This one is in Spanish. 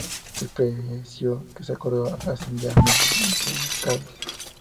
El precio que se acordó ascendía a mil ducados.